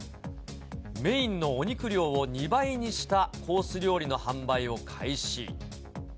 メインのお肉量を２倍にしたコース料理の販売を開始。